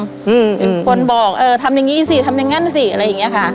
เป็นคนบอกเออทำอย่างงี้สิทำอย่างนั้นสิอะไรอย่างเงี้ยค่ะ